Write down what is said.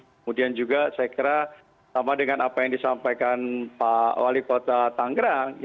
kemudian juga saya kira sama dengan apa yang disampaikan pak wali kota tanggerang